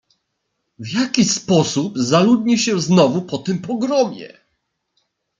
"W jaki sposób zaludni się znowu po tym pogromie?"